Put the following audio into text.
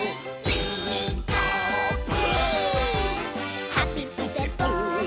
「ピーカーブ！」